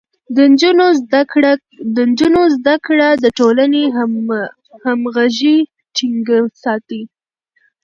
د نجونو زده کړه د ټولنې همغږي ټينګه ساتي.